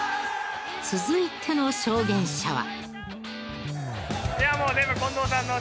続いての証言者は。